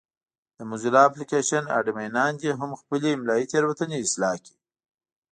د موزیلا اپلېکشن اډمینان دې هم خپلې املایي تېروتنې اصلاح کړي.